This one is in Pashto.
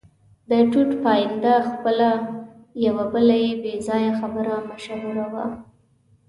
د ټوټ پاینده خېل یوه بله بې ځایه خبره مشهوره وه.